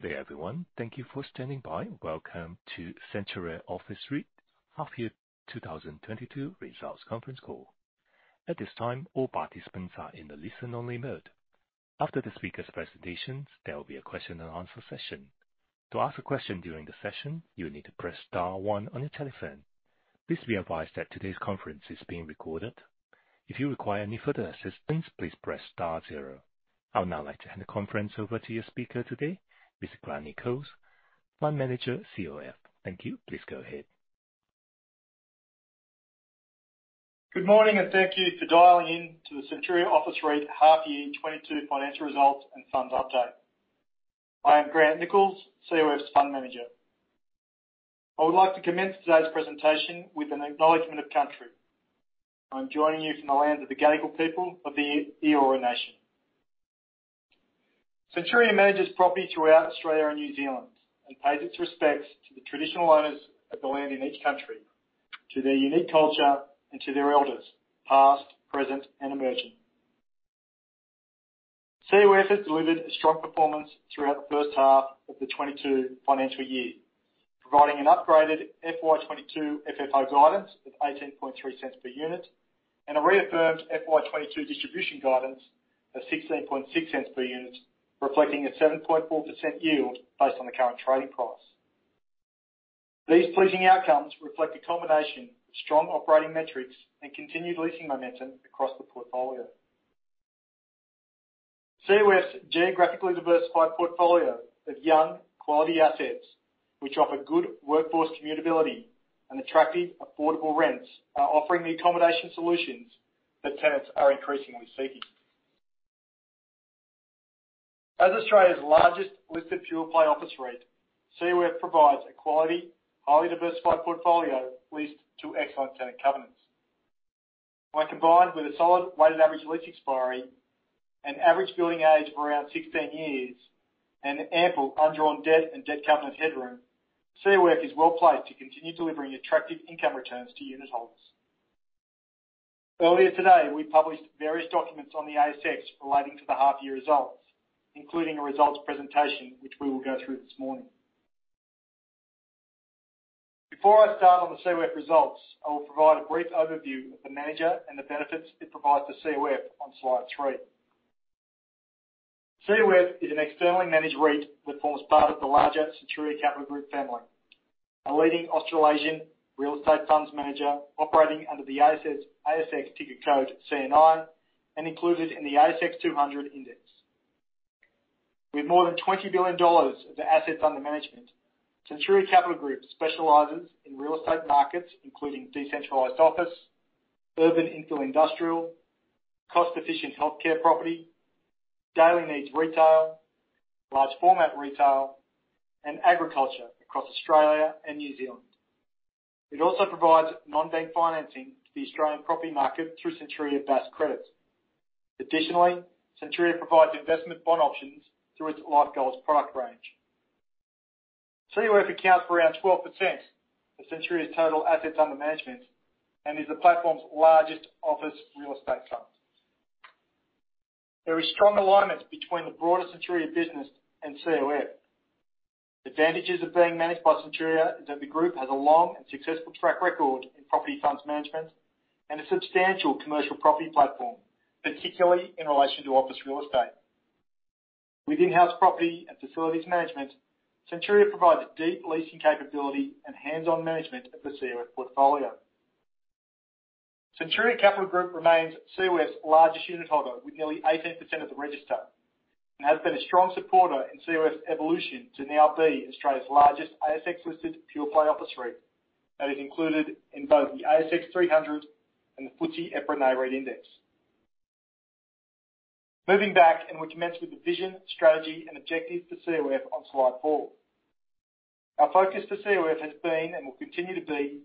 Good day everyone. Thank you for standing by. Welcome to Centuria Office REIT Half Year 2022 Results Conference Call. At this time, all participants are in a listen-only mode. After the speakers' presentations, there will be a question and answer session. To ask a question during the session, you will need to press * 1 on your telephone. Please be advised that today's conference is being recorded. If you require any further assistance, please press star zero. I would now like to hand the conference over to your speaker today, Mr. Grant Nichols, Fund Manager, COF. Thank you. Please go ahead. Good morning, and thank you for dialing in to the Centuria Office REIT Half Year 2022 Financial Results and Funds Update. I am Grant Nichols, COF's fund manager. I would like to commence today's presentation with an acknowledgment of country. I'm joining you from the land of the Gadigal people of the Eora Nation. Centuria manages property throughout Australia and New Zealand and pays its respects to the traditional owners of the land in each country, to their unique culture, and to their elders past, present, and emerging. COF has delivered a strong performance throughout the first half of the 2022 financial year, providing an upgraded FY 2022 FFO guidance of 0.183 per unit and a reaffirmed FY 2022 distribution guidance of 0.166 per unit, reflecting a 7.4% yield based on the current trading price. These pleasing outcomes reflect a combination of strong operating metrics and continued leasing momentum across the portfolio. COF's geographically diversified portfolio of young quality assets which offer good workforce commutability and attractive, affordable rents are offering the accommodation solutions that tenants are increasingly seeking. As Australia's largest listed pure-play office REIT, COF provides a quality, highly diversified portfolio leased to excellent tenant covenants. When combined with a solid weighted average lease expiry and average building age of around 16 years and ample undrawn debt and debt covenant headroom, COF is well-placed to continue delivering attractive income returns to unitholders. Earlier today, we published various documents on the ASX relating to the half year results, including a results presentation, which we will go through this morning. Before I start on the COF results, I will provide a brief overview of the manager and the benefits it provides to COF on slide three. COF is an externally managed REIT that forms part of the larger Centuria Capital Group family, a leading Australasian real estate funds manager operating under the ASX ticker code CNI, and included in the ASX 200 index. With more than 20 billion dollars of the assets under management, Centuria Capital Group specializes in real estate markets including decentralized office, urban infill industrial, cost-efficient healthcare property, daily needs retail, large format retail, and agriculture across Australia and New Zealand. It also provides non-bank financing to the Australian property market through Centuria Bass Credit. Additionally, Centuria provides investment bond options through its Life Goals product range. COF accounts for around 12% of Centuria's total assets under management and is the platform's largest office real estate fund. There is strong alignment between the broader Centuria business and COF. Advantages of being managed by Centuria is that the group has a long and successful track record in property funds management and a substantial commercial property platform, particularly in relation to office real estate. With in-house property and facilities management, Centuria provides deep leasing capability and hands-on management of the COF portfolio. Centuria Capital Group remains COF's largest unitholder with nearly 18% of the register and has been a strong supporter in COF's evolution to now be Australia's largest ASX-listed pure-play office REIT that is included in both the ASX 300 and the FTSE EPRA Nareit Index. Moving back, we commence with the vision, strategy, and objectives for COF on slide four. Our focus for COF has been, and will continue to be,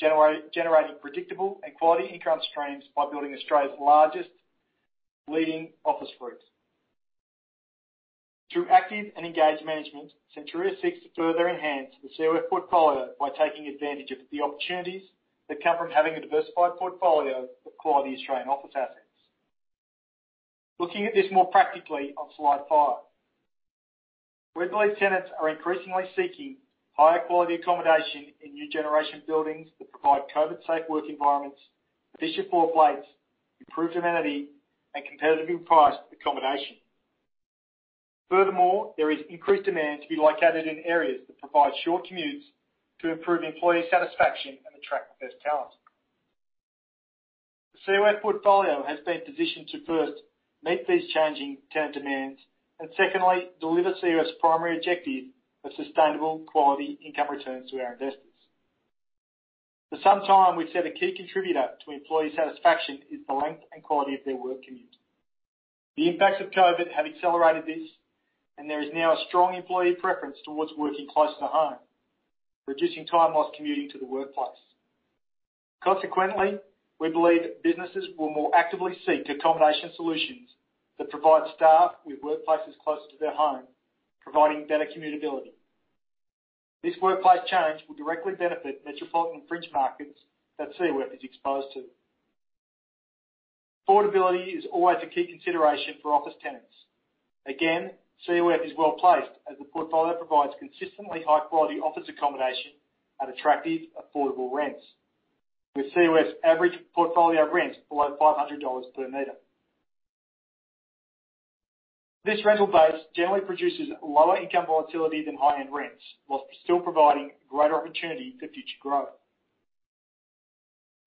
generating predictable and quality income streams by building Australia's largest leading office REIT. Through active and engaged management, Centuria seeks to further enhance the COF portfolio by taking advantage of the opportunities that come from having a diversified portfolio of quality Australian office assets. Looking at this more practically on slide five. We believe tenants are increasingly seeking higher quality accommodation in new generation buildings that provide COVID-safe work environments, efficient floor plates, improved amenity, and competitively priced accommodation. Furthermore, there is increased demand to be located in areas that provide short commutes to improve employee satisfaction and attract the best talent. The COF portfolio has been positioned to first meet these changing tenant demands, and secondly, deliver COF's primary objective of sustainable quality income returns to our investors. For some time, we've said a key contributor to employee satisfaction is the length and quality of their work commute. The impacts of COVID have accelerated this, and there is now a strong employee preference towards working closer to home, reducing time lost commuting to the workplace. Consequently, we believe that businesses will more actively seek accommodation solutions that provide staff with workplaces closer to their home, providing better commutability. This workplace change will directly benefit metropolitan fringe markets that COF is exposed to. Affordability is always a key consideration for office tenants. Again, COF is well-placed as the portfolio provides consistently high-quality office accommodation at attractive, affordable rents, with COF's average portfolio rents below 500 dollars per meter. This rental base generally produces lower income volatility than high-end rents, while still providing greater opportunity for future growth.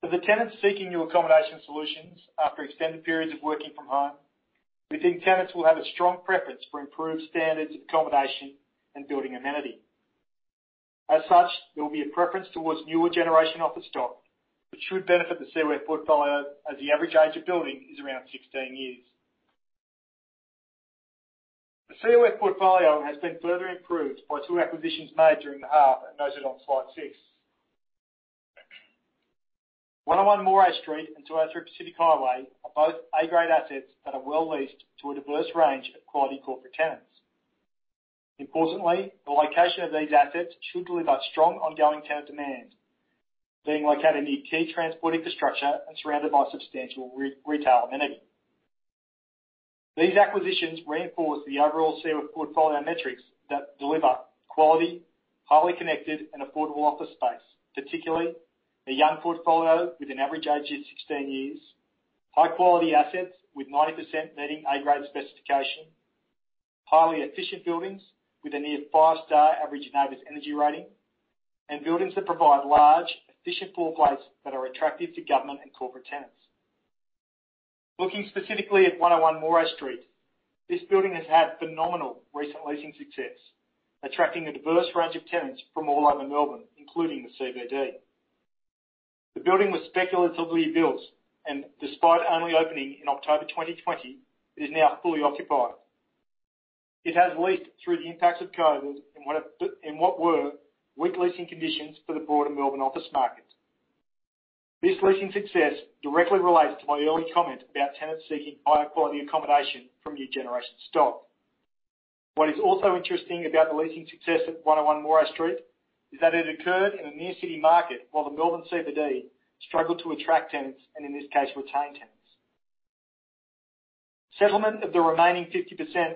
For the tenants seeking new accommodation solutions after extended periods of working from home, we think tenants will have a strong preference for improved standards of accommodation and building amenity. As such, there will be a preference towards newer generation office stock, which should benefit the COF portfolio as the average age of building is around 16 years. The COF portfolio has been further improved by two acquisitions made during the half and noted on slide six. 101 Moray Street and 203 Pacific Highway are both A-grade assets that are well-leased to a diverse range of quality corporate tenants. Importantly, the location of these assets should deliver strong ongoing tenant demand, being located near key transport infrastructure and surrounded by substantial retail amenity. These acquisitions reinforce the overall COF portfolio metrics that deliver quality, highly connected, and affordable office space, particularly a young portfolio with an average age of 16 years, high-quality assets with 90% meeting A-grade specification, highly efficient buildings with a near 5-star average NABERS energy rating, and buildings that provide large, efficient floor plates that are attractive to government and corporate tenants. Looking specifically at 101 Moray Street, this building has had phenomenal recent leasing success, attracting a diverse range of tenants from all over Melbourne, including the CBD. The building was speculatively built, and despite only opening in October 2020, it is now fully occupied. It has leased through the impacts of COVID in what were weak leasing conditions for the broader Melbourne office market. This leasing success directly relates to my early comment about tenants seeking higher quality accommodation from new generation stock. What is also interesting about the leasing success at 101 Moray Street is that it occurred in a near city market, while the Melbourne CBD struggled to attract tenants and in this case, retain tenants. Settlement of the remaining 50%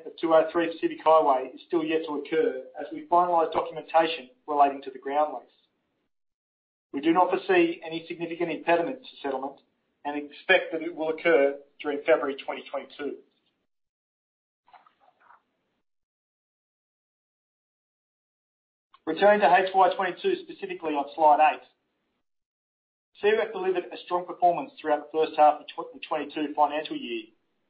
of 203 Pacific Highway is still yet to occur as we finalize documentation relating to the ground lease. We do not foresee any significant impediments to settlement and expect that it will occur during February 2022. Returning to FY 2022, specifically on slide eight. COF delivered a strong performance throughout the first half of the 2022 financial year,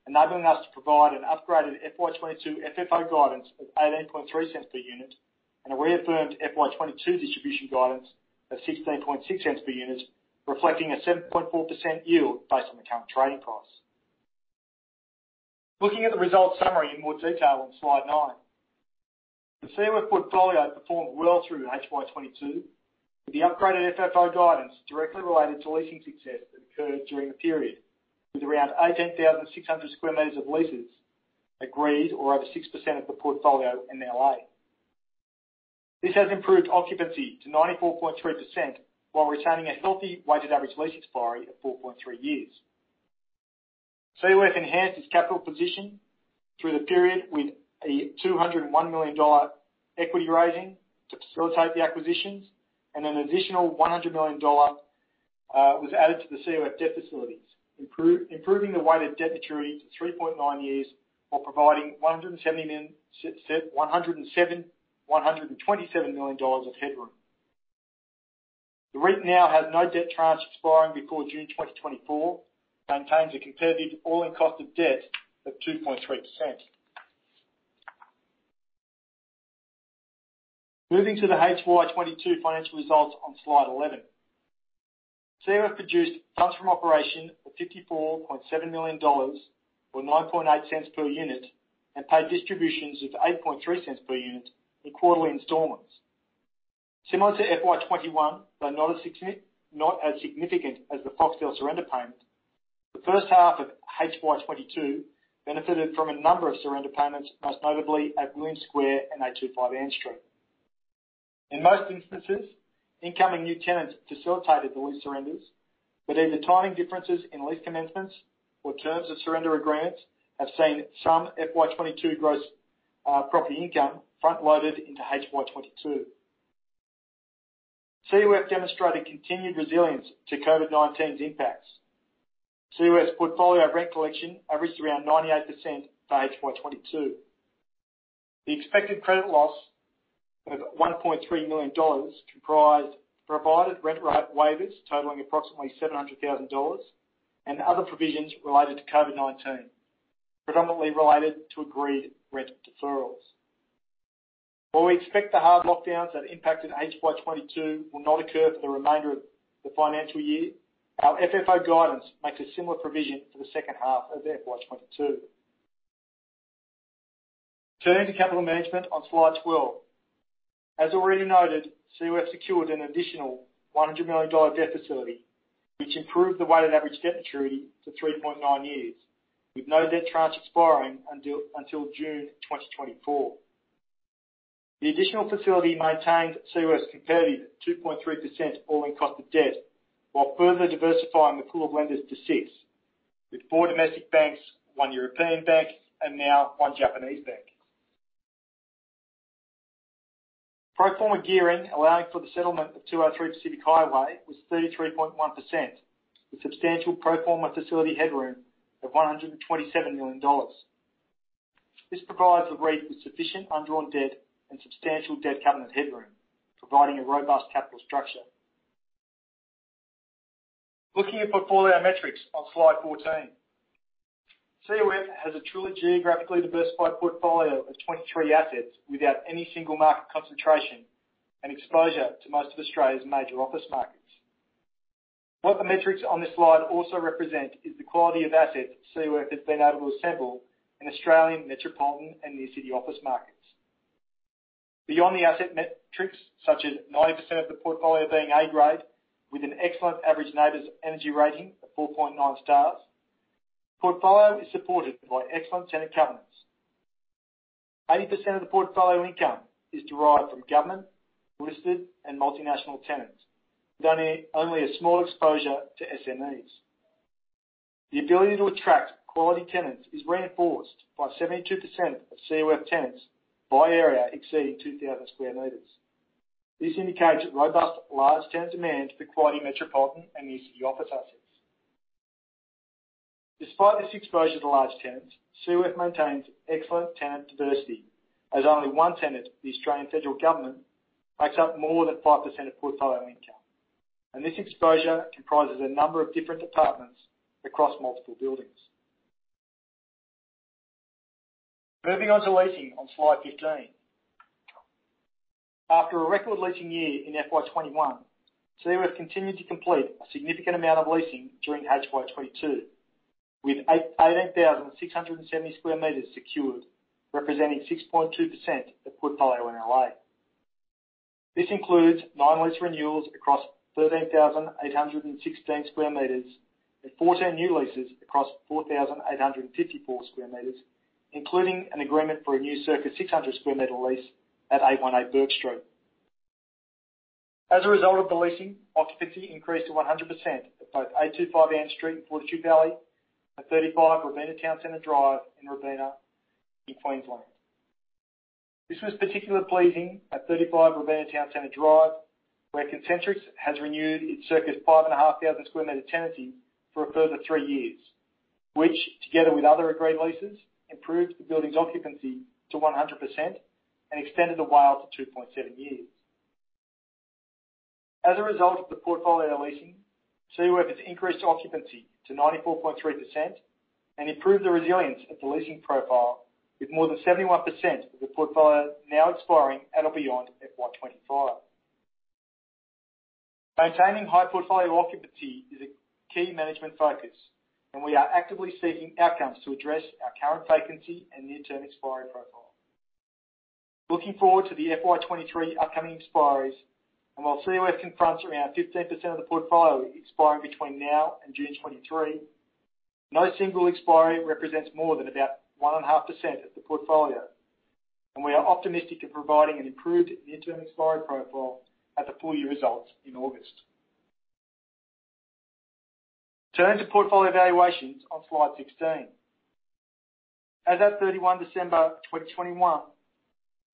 enabling us to provide an upgraded FY 2022 FFO guidance of 0.183 per unit, and a reaffirmed FY 2022 distribution guidance of 0.166 per unit, reflecting a 7.4% yield based on the current trading price. Looking at the results summary in more detail on slide nine. The COF portfolio performed well through FY 2022, with the upgraded FFO guidance directly related to leasing success that occurred during the period, with around 18,600 sq m of leases agreed or over 6% of the portfolio in NLA. This has improved occupancy to 94.3% while retaining a healthy weighted average lease expiry of 4.3 years. COF enhanced its capital position through the period with an 201 million dollar equity raising to facilitate the acquisitions, and an additional 100 million dollar was added to the COF debt facilities, improving the weighted debt maturity to 3.9 years, while providing 127 million dollars of headroom. The rate now has no debt tranche expiring before June 2024, maintains a competitive all-in cost of debt of 2.3%. Moving to the FY 2022 financial results on slide 11. COF produced funds from operation of 54.7 million dollars, or 0.098 per unit, and paid distributions of 0.083 per unit in quarterly installments. Similar to FY 2021, though not as significant as the Foxtel surrender payment, the first half of FY 2022 benefited from a number of surrender payments, most notably at Williams Square and 825 Ann Street. In most instances, incoming new tenants facilitated the lease surrenders, but either timing differences in lease commencements or terms of surrender agreements have seen some FY 2022 gross property income front-loaded into FY 2022. COF demonstrated continued resilience to COVID-19's impacts. COF's portfolio rent collection averaged around 98% for FY 2022. The expected credit loss of 1.3 million dollars comprised provided rent waivers totaling approximately 700,000 dollars and other provisions related to COVID-19, predominantly related to agreed rent deferrals. While we expect the hard lockdowns that impacted FY 2022 will not occur for the remainder of the financial year, our FFO guidance makes a similar provision for the second half of FY 2022. Turning to capital management on slide 12. As already noted, COF secured an additional 100 million dollar debt facility, which improved the weighted average debt maturity to 3.9 years, with no debt tranche expiring until June 2024. The additional facility maintains COF's competitive 2.3% all-in cost of debt, while further diversifying the pool of lenders to six. With four domestic banks, one European bank, and now one Japanese bank. Pro forma gearing, allowing for the settlement of 203 Pacific Highway, was 33.1%, with substantial pro forma facility headroom of 127 million dollars. This provides the REIT with sufficient undrawn debt and substantial debt covenant headroom, providing a robust capital structure. Looking at portfolio metrics on slide 14. COF has a truly geographically diversified portfolio of 23 assets without any single market concentration and exposure to most of Australia's major office markets. What the metrics on this slide also represent is the quality of assets COF has been able to assemble in Australian metropolitan and near city office markets. Beyond the asset metrics, such as 90% of the portfolio being A grade with an excellent average NABERS energy rating of 4.9 stars, the portfolio is supported by excellent tenant covenants. 80% of the portfolio income is derived from government, listed, and multinational tenants, with only a small exposure to SMEs. The ability to attract quality tenants is reinforced by 72% of COF tenants by area exceeding 2,000 sq m. This indicates robust large tenant demand for quality metropolitan and near city office assets. Despite this exposure to large tenants, COF maintains excellent tenant diversity as only one tenant, the Australian Federal Government, makes up more than 5% of portfolio income, and this exposure comprises a number of different departments across multiple buildings. Moving on to leasing on slide 15. After a record leasing year in FY 2021, COF continued to complete a significant amount of leasing during FY 2022, with 88,670 sq m secured, representing 6.2% of portfolio NLA. This includes nine lease renewals across 13,816 sq m and fourteen new leases across 4,854 sq m, including an agreement for a new circa 600 sq m lease at 818 Bourke Street. As a result of the leasing, occupancy increased to 100% at both 825 Ann Street in Fortitude Valley and 35 Robina Town Centre Drive in Robina in Queensland. This was particularly pleasing at 35 Robina Town Centre Drive, where Concentrix has renewed its circa 5,500 sq m tenancy for a further 3 years, which together with other agreed leases, improved the building's occupancy to 100% and extended the WALE to 2.7 years. As a result of the portfolio leasing, COF has increased occupancy to 94.3% and improved the resilience of the leasing profile, with more than 71% of the portfolio now expiring at or beyond FY 2025. Maintaining high portfolio occupancy is a key management focus, and we are actively seeking outcomes to address our current vacancy and near-term expiry profile. Looking forward to the FY 2023 upcoming expiries, while COF contains around 15% of the portfolio expiring between now and June 2023, no single expiry represents more than about 1.5% of the portfolio, and we are optimistic of providing an improved near-term expiry profile at the full year results in August. Turning to portfolio valuations on slide 16. As at 31 December, 2021,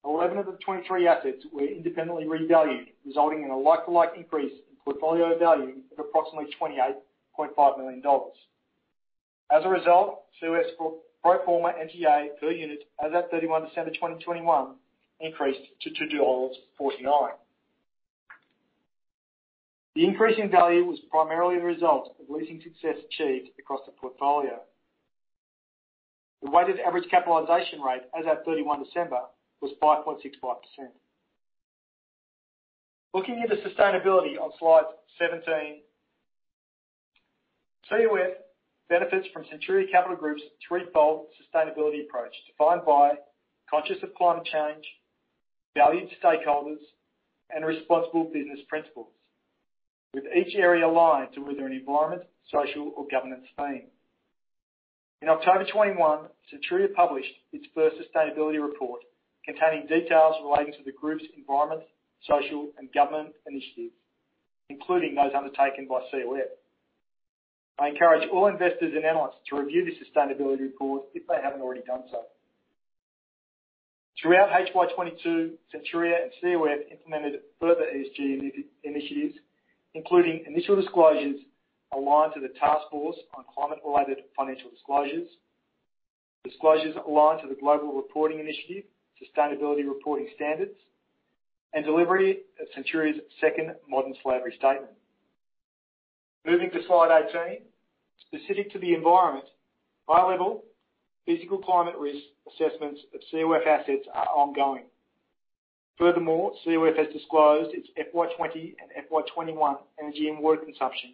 11 of the 23 assets were independently revalued, resulting in a like-for-like increase in portfolio value of approximately 28.5 million dollars. As a result, COF's pro forma NTA per unit as at 31 December, 2021 increased to AUD 2.49. The increase in value was primarily a result of leasing success achieved across the portfolio. The weighted average capitalization rate as at 31 December was 5.65%. Looking into sustainability on slide 17. COF benefits from Centuria Capital Group's threefold sustainability approach, defined by consciousness of climate change, value to stakeholders, and responsible business principles, with each area aligned to either an environmental, social, or governance theme. In October 2021, Centuria published its first sustainability report containing details relating to the group's environmental, social, and governance initiatives, including those undertaken by COF. I encourage all investors and analysts to review the sustainability report if they haven't already done so. Throughout FY 2022, Centuria and COF implemented further ESG initiatives, including initial disclosures aligned to the Task Force on Climate-related Financial Disclosures, disclosures aligned to the Global Reporting Initiative Sustainability Reporting Standards, and delivery of Centuria's second Modern Slavery Statement. Moving to slide 18. Specific to the environment, high-level physical climate risk assessments of COF assets are ongoing. Furthermore, COF has disclosed its FY 2020 and FY 2021 energy and water consumption,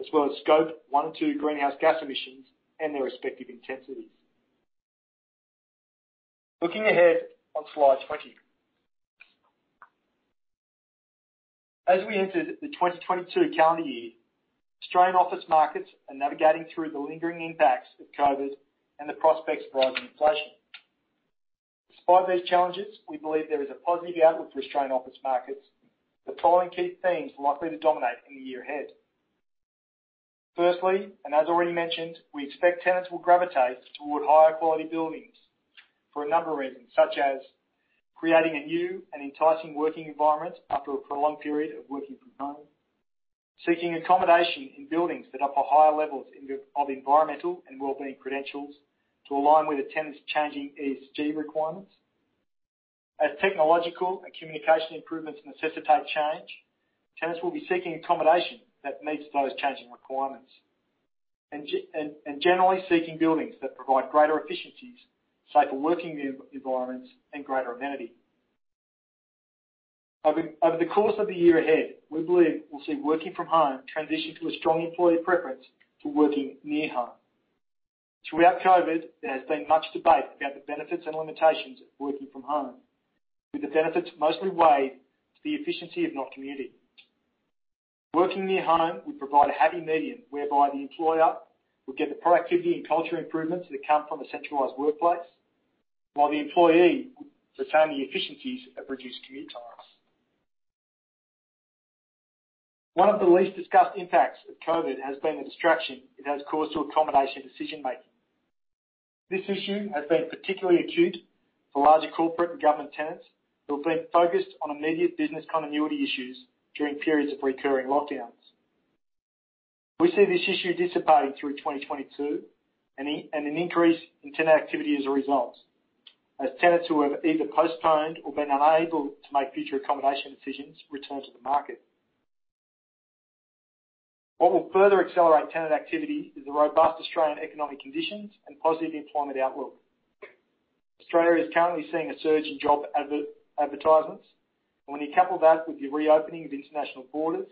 as well as Scope 1 and 2 greenhouse gas emissions and their respective intensities. Looking ahead on slide 20. As we enter the 2022 calendar year, Australian office markets are navigating through the lingering impacts of COVID and the prospects of rising inflation. Despite these challenges, we believe there is a positive outlook for Australian office markets, with the following key themes likely to dominate in the year ahead. Firstly, and as already mentioned, we expect tenants will gravitate toward higher quality buildings for a number of reasons, such as creating a new and enticing working environment after a prolonged period of working from home, seeking accommodation in buildings that offer higher levels of environmental and well-being credentials to align with the tenants changing ESG requirements. As technological and communication improvements necessitate change, tenants will be seeking accommodation that meets those changing requirements. Generally seeking buildings that provide greater efficiencies, safer working environments, and greater amenity. Over the course of the year ahead, we believe we'll see working from home transition to a strong employee preference to working near home. Throughout COVID, there has been much debate about the benefits and limitations of working from home, with the benefits mostly weighed to the efficiency of not commuting. Working near home will provide a happy medium whereby the employer will get the productivity and culture improvements that come from a centralized workplace, while the employee will retain the efficiencies of reduced commute times. One of the least discussed impacts of COVID has been the distraction it has caused to accommodation decision-making. This issue has been particularly acute for larger corporate and government tenants who have been focused on immediate business continuity issues during periods of recurring lockdowns. We see this issue dissipating through 2022 and an increase in tenant activity as a result, as tenants who have either postponed or been unable to make future accommodation decisions return to the market. What will further accelerate tenant activity is the robust Australian economic conditions and positive employment outlook. Australia is currently seeing a surge in job advertisements. When you couple that with the reopening of international borders,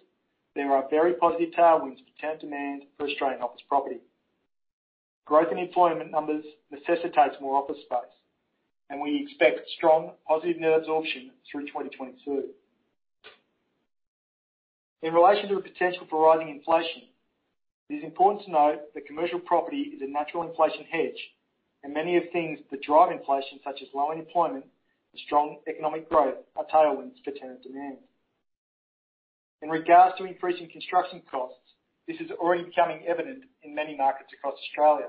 there are very positive tailwinds for tenant demand for Australian office property. Growth in employment numbers necessitates more office space, and we expect strong positive net absorption through 2022. In relation to the potential for rising inflation, it is important to note that commercial property is a natural inflation hedge, and many of the things that drive inflation, such as low unemployment and strong economic growth, are tailwinds for tenant demand. In regards to increasing construction costs, this is already becoming evident in many markets across Australia.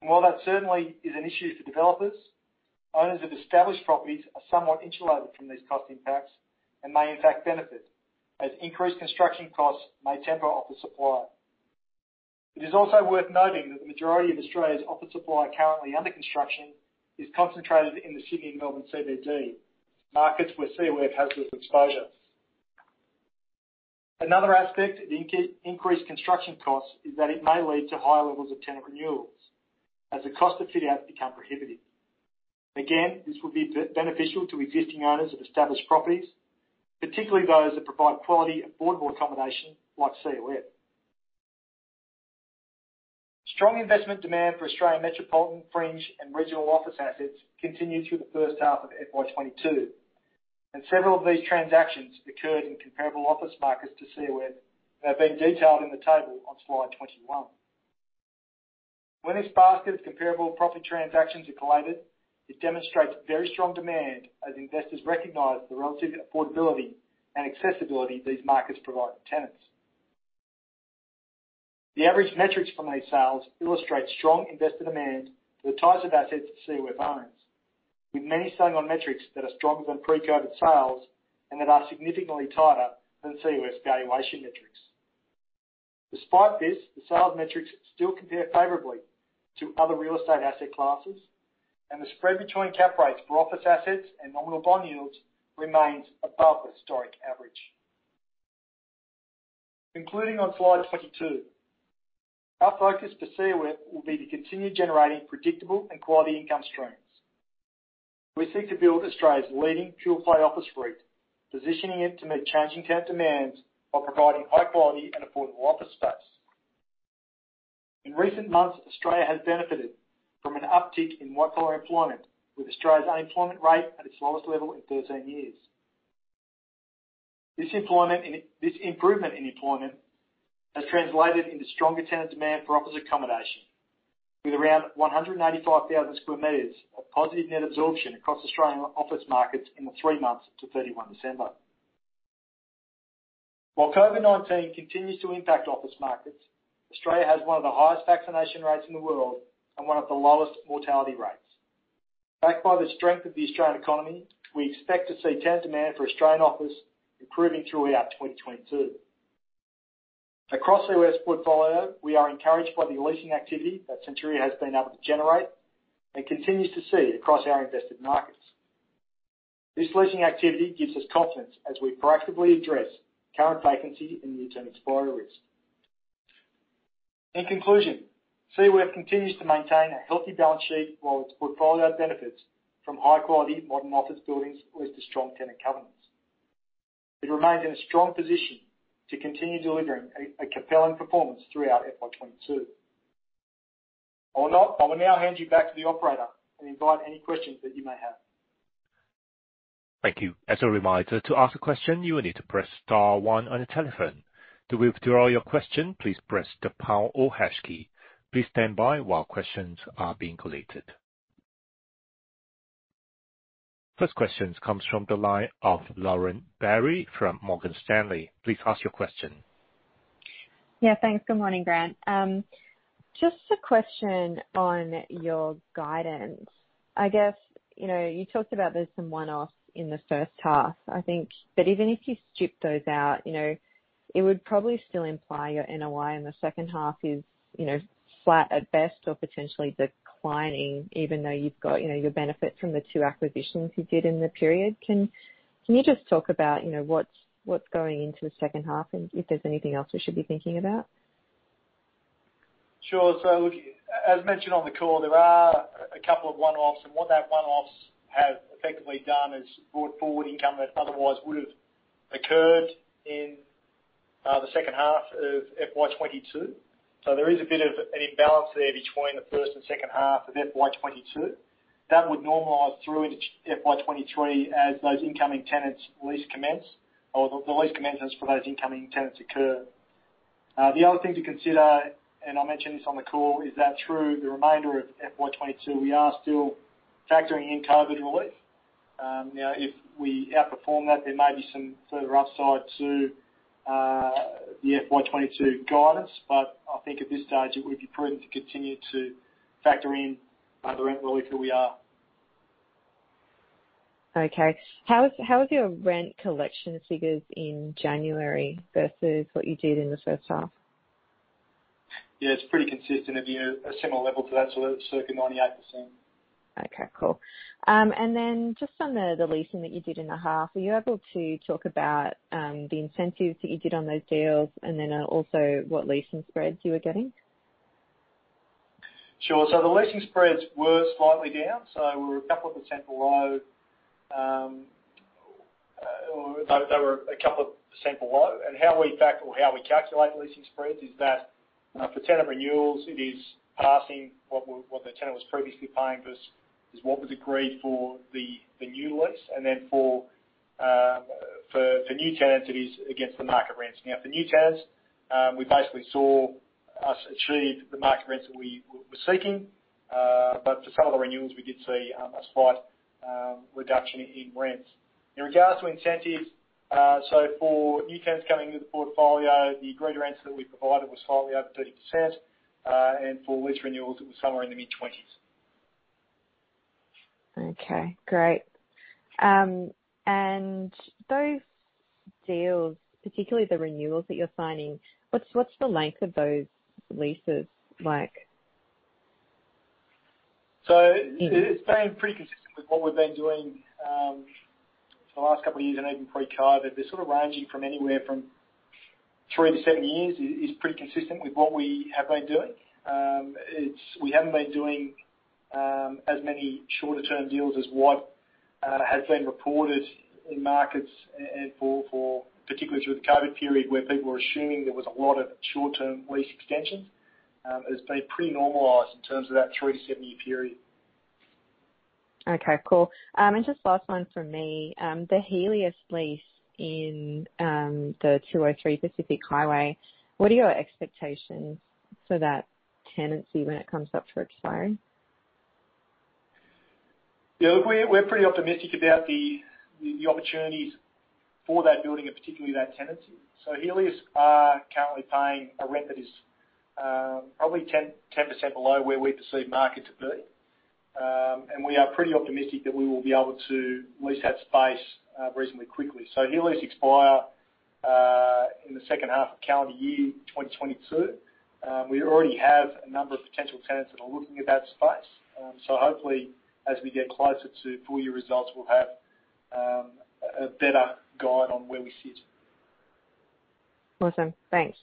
While that certainly is an issue for developers, owners of established properties are somewhat insulated from these cost impacts and may in fact benefit, as increased construction costs may temper office supply. It is also worth noting that the majority of Australia's office supply currently under construction is concentrated in the Sydney and Melbourne CBD, markets where COF has less exposure. Another aspect of increased construction costs is that it may lead to higher levels of tenant renewals as the cost of fit outs become prohibitive. Again, this will be beneficial to existing owners of established properties, particularly those that provide quality and affordable accommodation, like COF. Strong investment demand for Australian metropolitan, fringe, and regional office assets continued through the first half of FY 2022, and several of these transactions occurred in comparable office markets to COF and have been detailed in the table on slide 21. When this basket of comparable property transactions are collated, it demonstrates very strong demand as investors recognize the relative affordability and accessibility these markets provide to tenants. The average metrics from these sales illustrates strong investor demand for the types of assets that COF owns, with many selling on metrics that are stronger than pre-COVID sales and that are significantly tighter than COF's valuation metrics. Despite this, the sales metrics still compare favorably to other real estate asset classes, and the spread between cap rates for office assets and nominal bond yields remains above the historic average. Concluding on slide 22, our focus for COF will be to continue generating predictable and quality income streams. We seek to build Australia's leading pure play office REIT, positioning it to meet changing tenant demands while providing high quality and affordable office space. In recent months, Australia has benefited from an uptick in white-collar employment, with Australia's unemployment rate at its lowest level in 13 years. This improvement in employment has translated into stronger tenant demand for office accommodation, with around 185,000 sq m of positive net absorption across Australian office markets in the three months to 31 December. While COVID-19 continues to impact office markets, Australia has one of the highest vaccination rates in the world and one of the lowest mortality rates. Backed by the strength of the Australian economy, we expect to see tenant demand for Australian office improving throughout 2022. Across COF's portfolio, we are encouraged by the leasing activity that Centuria has been able to generate and continues to see across our invested markets. This leasing activity gives us confidence as we proactively address current vacancy and near-term expiry risk. In conclusion, COF continues to maintain a healthy balance sheet while its portfolio benefits from high-quality modern office buildings with a strong tenant covenant. It remains in a strong position to continue delivering a compelling performance throughout FY 2022. I will now hand you back to the operator and invite any questions that you may have. Thank you. As a reminder, to ask a question, you will need to press * 1 on your telephone. To withdraw your question, please press the pound or # key. Please stand by while questions are being collected. First questions comes from the line of Lauren Berry from Morgan Stanley. Please ask your question. Yeah. Thanks. Good morning, Grant. Just a question on your guidance. I guess, you know, you talked about there's some one-offs in the first half, I think. Even if you strip those out, you know, it would probably still imply your NOI in the second half is, you know, flat at best or potentially declining, even though you've got, you know, your benefit from the two acquisitions you did in the period. Can you just talk about, you know, what's going into the second half and if there's anything else we should be thinking about? Sure. Look, as mentioned on the call, there are a couple of one-offs, and what those one-offs have effectively done is brought forward income that otherwise would have occurred in the second half of FY 2022. There is a bit of an imbalance there between the first and second half of FY 2022. That would normalize through into FY 2023 as those incoming tenants' lease commence or the lease commencements for those incoming tenants occur. The other thing to consider, and I mentioned this on the call, is that through the remainder of FY 2022, we are still factoring in COVID relief. Now, if we outperform that, there may be some further upside to the FY 2022 guidance. I think at this stage, it would be prudent to continue to factor in the rent relief where we are. Okay. How was your rent collection figures in January versus what you did in the first half? Yeah. It's pretty consistent. They'd be a similar level to that, so circa 98%. Okay. Cool. Just on the leasing that you did in the half, are you able to talk about the incentives that you did on those deals and then also what leasing spreads you were getting? Sure. The leasing spreads were slightly down, a couple percent below. They were a couple percent below. How we factor or how we calculate leasing spreads is that, for tenant renewals, it is basically what the tenant was previously paying versus what was agreed for the new lease. For new tenants, it is against the market rents. For new tenants, we basically achieved the market rents that we were seeking. For some of the renewals, we did see a slight reduction in rents. In regard to incentives, for new tenants coming into the portfolio, the incentives that we provided was slightly over 30%. For lease renewals, it was somewhere in the mid-20s. Okay. Great. Those deals, particularly the renewals that you're signing, what's the length of those leases like? It's been pretty consistent with what we've been doing for the last couple of years and even pre-COVID. They're sort of ranging from anywhere from 3-7 years is pretty consistent with what we have been doing. We haven't been doing as many shorter term deals as what has been reported in markets and for particularly through the COVID period, where people were assuming there was a lot of short-term lease extensions. It's been pretty normalized in terms of that 3-7-year period. Okay. Cool. Just last one from me. The Healius lease in the 203 Pacific Highway, what are your expectations for that tenancy when it comes up for expiry? Yeah. Look, we're pretty optimistic about the opportunities for that building and particularly that tenancy. Healius are currently paying a rent that is probably 10% below where we perceive markets to be. We are pretty optimistic that we will be able to lease that space reasonably quickly. Healius expire in the second half of calendar year 2022. We already have a number of potential tenants that are looking at that space. Hopefully, as we get closer to full year results, we'll have a better guide on where we sit. Awesome. Thanks.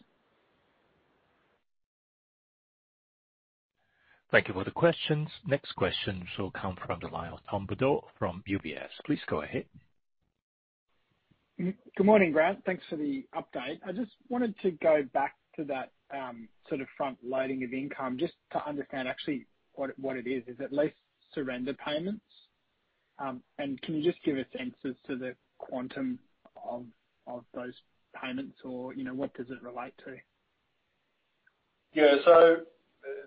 Thank you for the questions. Next question will come from the line of Tom Bodor from UBS. Please go ahead. Good morning, Grant. Thanks for the update. I just wanted to go back to that, sort of front loading of income, just to understand actually what it is. Is it lease surrender payments? And can you just give a sense as to the quantum of those payments or, you know, what does it relate to? Yeah.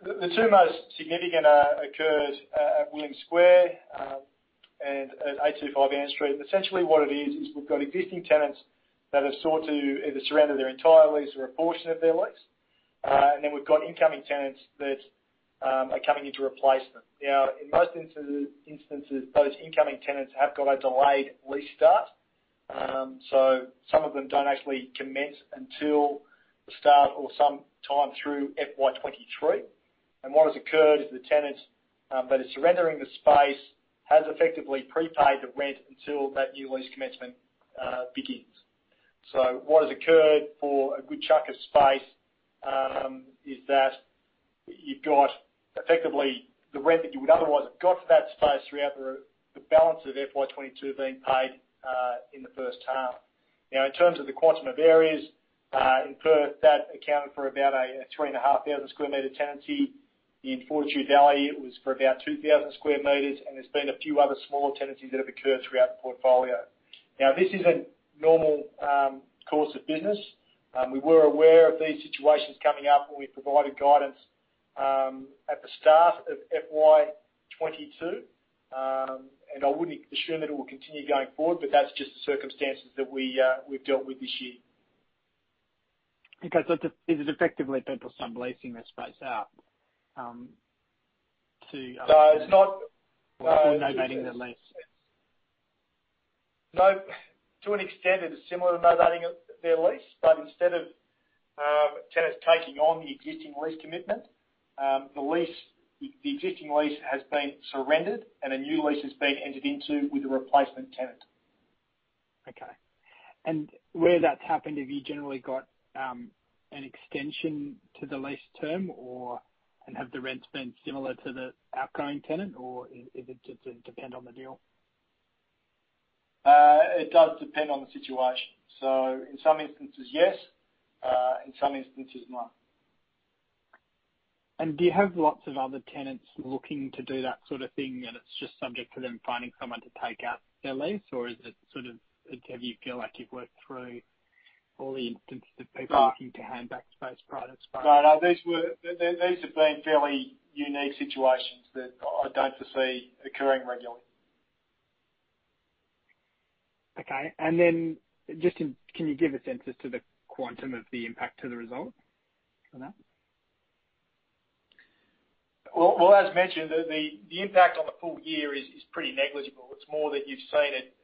The two most significant occurred at Williams Square and at 825 Ann Street. Essentially what it is we've got existing tenants that have sought to either surrender their entire lease or a portion of their lease. Then we've got incoming tenants that are coming in to replace them. Now, in most instances, those incoming tenants have got a delayed lease start. Some of them don't actually commence until the start or some time through FY 2023. What has occurred is the tenant that is surrendering the space has effectively prepaid the rent until that new lease commencement begins. What has occurred for a good chunk of space is that you've got effectively the rent that you would otherwise have got for that space throughout the balance of FY 2022 being paid in the first half. Now, in terms of the quantum of areas, in Perth, that accounted for about a 3,500 sq m tenancy. In Fortitude Valley, it was for about 2,000 sq m, and there's been a few other smaller tenancies that have occurred throughout the portfolio. Now, this is a normal course of business. We were aware of these situations coming up when we provided guidance at the start of FY 2022. I wouldn't assume that it will continue going forward, but that's just the circumstances that we've dealt with this year. Okay. Is it, effectively people subleasing their space out to other- No, it's not. No. Sort of novating their lease? No. To an extent, it is similar to novating their lease, but instead of tenants taking on the existing lease commitment, the existing lease has been surrendered and a new lease has been entered into with a replacement tenant. Okay. Where that's happened, have you generally got an extension to the lease term or have the rents been similar to the outgoing tenant? Or does it just depend on the deal? It does depend on the situation. In some instances, yes. In some instances, no. Do you have lots of other tenants looking to do that sort of thing and it's just subject to them finding someone to take out their lease? Or is it sort of, do you feel like you've worked through all the instances of people looking to hand back space prior to this space? No, no. These have been fairly unique situations that I don't foresee occurring regularly. Okay. Just in, can you give a sense to the quantum of the impact to the result on that? Well, as mentioned, the impact on the full year is pretty negligible. It's more that you've seen it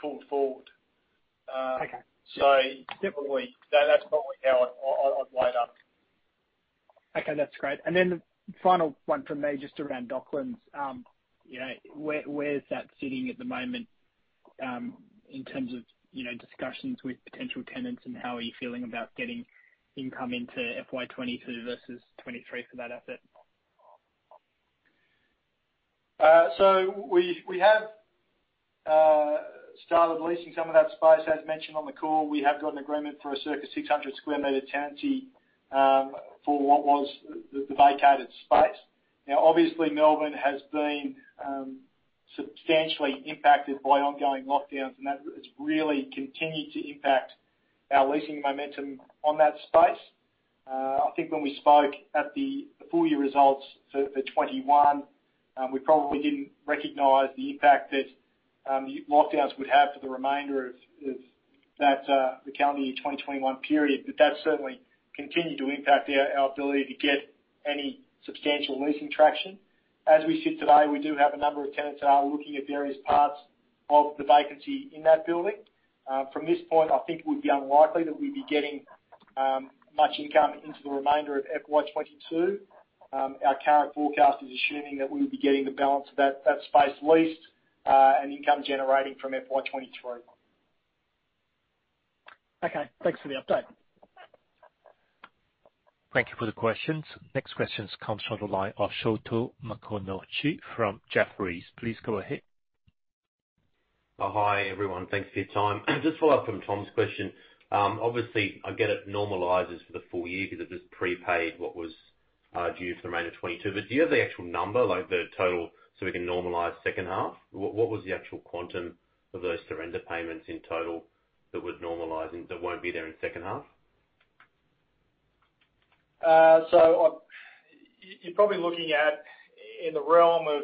pulled forward. Okay Definitely. That's probably how I'd weigh it up. Okay, that's great. Final one from me, just around Docklands. You know, where's that sitting at the moment, in terms of, you know, discussions with potential tenants, and how are you feeling about getting income into FY 2022 versus 2023 for that asset? We have started leasing some of that space. As mentioned on the call, we have got an agreement for a circa 600 sq m tenancy for what was the vacated space. Now, obviously, Melbourne has been substantially impacted by ongoing lockdowns, and that's really continued to impact our leasing momentum on that space. I think when we spoke at the full year results for 2021, we probably didn't recognize the impact that lockdowns would have for the remainder of that the calendar year 2021 period. That's certainly continued to impact our ability to get any substantial leasing traction. As we sit today, we do have a number of tenants that are looking at various parts of the vacancy in that building. From this point, I think it would be unlikely that we'd be getting much income into the remainder of FY 2022. Our current forecast is assuming that we will be getting the balance of that space leased and income generating from FY 2023. Okay. Thanks for the update. Thank you for the questions. Next questions comes from the line of Sholto Maconochie from Jefferies. Please go ahead. Oh, hi, everyone. Thanks for your time. Just follow up from Tom's question. Obviously I get it normalizes for the full year because it was prepaid what was due for the remainder of 2022. Do you have the actual number, like the total, so we can normalize second half? What was the actual quantum of those surrender payments in total that would normalize and that won't be there in second half? You're probably looking at in the realm of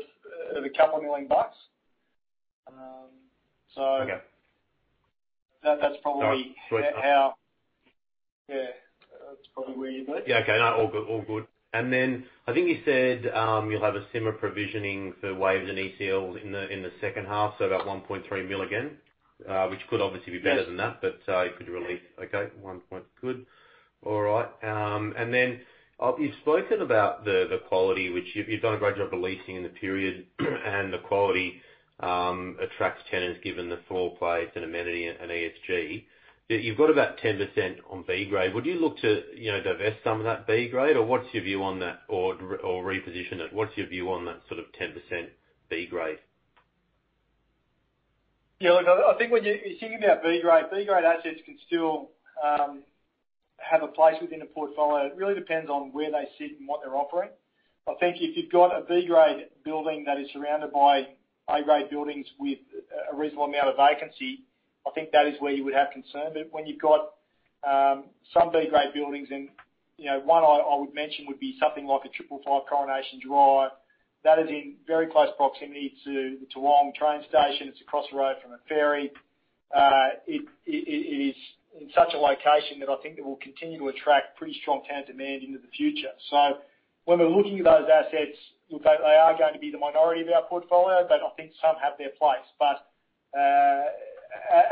2 million bucks. Okay That's probably. Sorry How. Yeah. That's probably where you'd be. Yeah. Okay. No. All good. Then I think you said you'll have a similar provisioning for Waves and ECL in the second half, so about 1.3 million again? Which could obviously be better than that. Yes. You've spoken about the quality, which you've done a great job of leasing in the period, and the quality attracts tenants, given the floor plates and amenity and ESG. You've got about 10% on B grade. Would you look to, you know, divest some of that B grade? Or what's your view on that? Or reposition it? What's your view on that sort of 10% B grade? Yeah, look, I think when you're thinking about B grade, B grade assets can still have a place within a portfolio. It really depends on where they sit and what they're offering. I think if you've got a B grade building that is surrounded by A grade buildings with a reasonable amount of vacancy, I think that is where you would have concern. But when you've got some B grade buildings in, you know, one I would mention would be something like 555 Coronation Drive, that is in very close proximity to Toowong train station. It's across the road from a ferry. It is in such a location that I think it will continue to attract pretty strong tenant demand into the future. When we're looking at those assets, look, they are going to be the minority of our portfolio, but I think some have their place.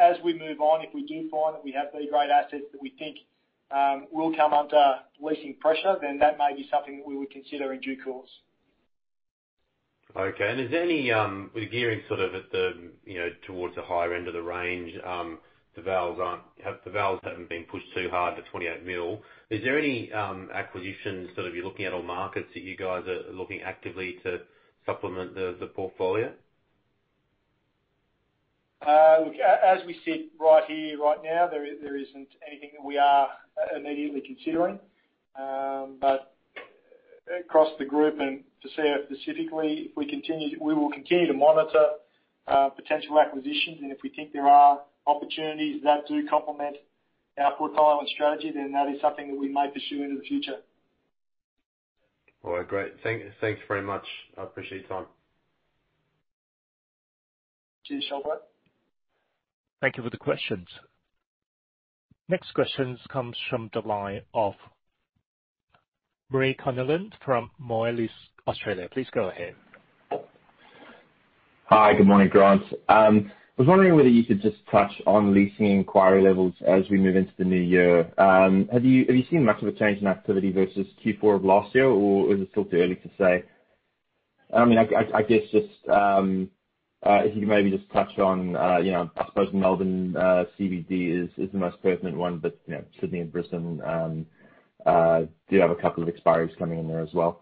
As we move on, if we do find that we have B grade assets that we think will come under leasing pressure, then that may be something that we would consider in due course. Okay. Is there any with gearing sort of at the, you know, towards the higher end of the range, the levers haven't been pushed too hard, the 28 million. Is there any acquisitions sort of you're looking at or markets that you guys are looking actively to supplement the portfolio? Look, as we sit right here right now, there isn't anything that we are immediately considering. Across the group and to say it specifically, we will continue to monitor potential acquisitions, and if we think there are opportunities that do complement our portfolio and strategy, then that is something that we may pursue into the future. All right. Great. Thanks very much. I appreciate your time. Cheers, Sholto. Thank you for the questions. Next question comes from the line of Murray Connellan from Moelis Australia. Please go ahead. Hi. Good morning, Grant. I was wondering whether you could just touch on leasing inquiry levels as we move into the new year. Have you seen much of a change in activity versus Q4 of last year, or is it still too early to say? I mean, I guess just if you could maybe just touch on, you know, I suppose Melbourne CBD is the most pertinent one, but, you know, Sydney and Brisbane do have a couple of expiries coming in there as well.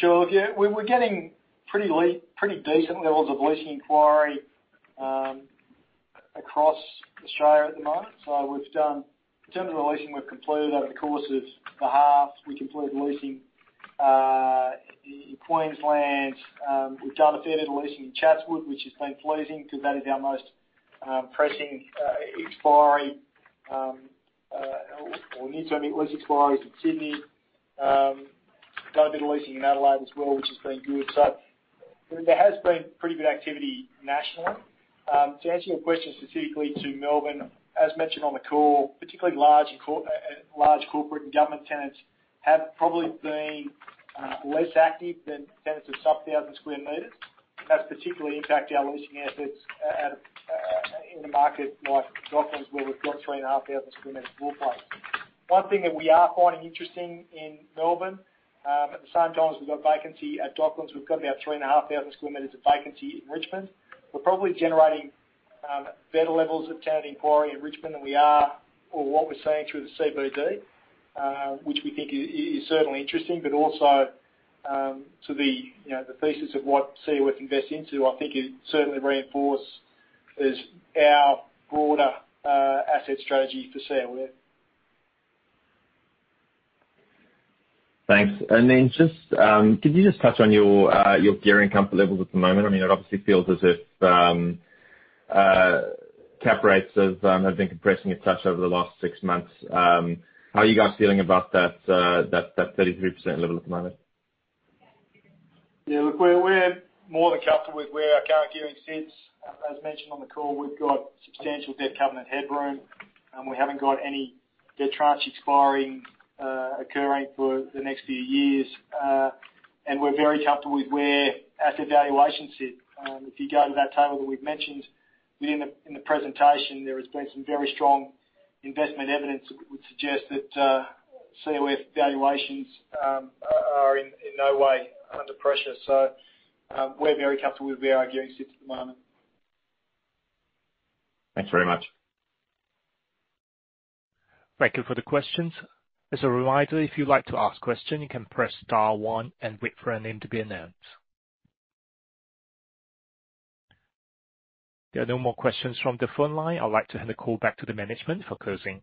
Sure. Yeah. We're getting pretty decent levels of leasing inquiry across Australia at the moment. In terms of the leasing, we've completed over the course of the half. We completed leasing in Queensland. We've done a fair bit of leasing in Chatswood, which has been pleasing because that is our most pressing expiry or need to meet lease expiries in Sydney. We've done a bit of leasing in Adelaide as well, which has been good. There has been pretty good activity nationally. To answer your question specifically to Melbourne, as mentioned on the call, particularly large corporate and government tenants have probably been less active than tenants of sub-1,000 sq m. That's particularly impacted our leasing efforts in a market like Docklands, where we've got 3,500 sq m floor plate. One thing that we are finding interesting in Melbourne, at the same time as we've got vacancy at Docklands, we've got about 3,500 sq m of vacancy in Richmond. We're probably generating better levels of tenant inquiry in Richmond than we are or what we're seeing through the CBD, which we think is certainly interesting, but also, to the, you know, the thesis of what COF invest into. I think it certainly reinforces our broader asset strategy for COF. Thanks. Just could you just touch on your gearing comfort levels at the moment? I mean, it obviously feels as if cap rates have been compressing a touch over the last six months. How are you guys feeling about that 33% level at the moment? Yeah. Look, we're more than comfortable with where our current gearing sits. As mentioned on the call, we've got substantial debt covenant headroom, and we haven't got any debt tranche expiring, occurring for the next few years. We're very comfortable with where asset valuations sit. If you go to that table that we've mentioned in the presentation, there has been some very strong investment evidence that would suggest that COF valuations are in no way under pressure. We're very comfortable with where our gearing sits at the moment. Thanks very much. Thank you for the questions. As a reminder, if you'd like to ask question, you can press * 1 and wait for a name to be announced. There are no more questions from the phone line. I'd like to hand the call back to the management for closing.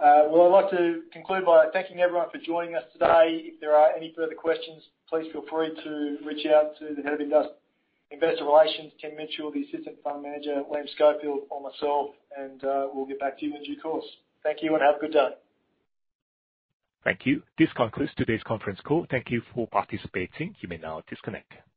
Well, I'd like to conclude by thanking everyone for joining us today. If there are any further questions, please feel free to reach out to the head of investor relations, Tim Mitchell, the assistant fund manager, Liam Schofield or myself, and we'll get back to you in due course. Thank you, and have a good day. Thank you. This concludes today's conference call. Thank you for participating. You may now disconnect.